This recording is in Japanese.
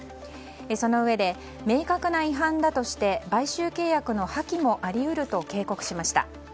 そのうえで明確な違反だとして買収契約の破棄もあり得ると警告しました。